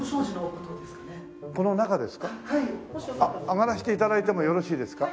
上がらせて頂いてもよろしいですか？